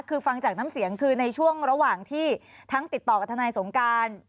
คือฟังจากน้ำเสียงคือในช่วงระหว่างที่ทั้งติดต่อกับทนายสงการ